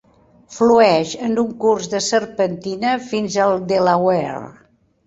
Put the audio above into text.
Flueix en un curs de serpentina fins al Delaware.